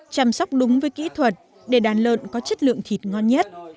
chăm sóc đúng với kỹ thuật để đàn lợn có chất lượng thịt ngon nhất